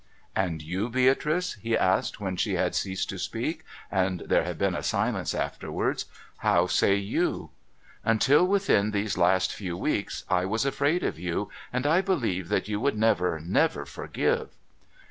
'' And you, Beatrice,' he asked, when she had ceased to speak, and there had been a silence afterwards, ' how say you ?'' Until within these few weeks I was afraid of you, and I believed that you would never, never forgive.'